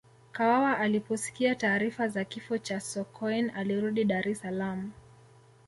kawawa aliposikia taarifa za kifo cha sokoine alirudi dar es Salaam